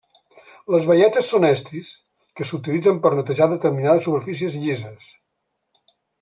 Les baietes són estris que s'utilitzen per netejar determinades superfícies llises.